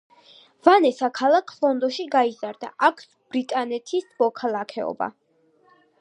ვანესა ქალაქ ლონდონში გაიზარდა, აქვს ბრიტანეთის მოქალაქეობა.